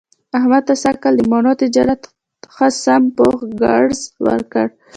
احمد ته سږ کال د مڼو تجارت ښه سم پوخ ګړز ورکړ.